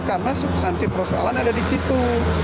karena substansi persoalan ada di situ